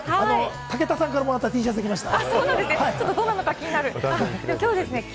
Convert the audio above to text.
武田さんからもらったＴシャツで来ました。